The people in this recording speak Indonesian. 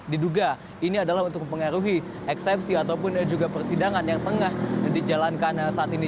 diduga ini adalah untuk mempengaruhi eksepsi ataupun juga persidangan yang tengah dijalankan saat ini